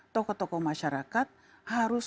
tokoh tokoh masyarakat harus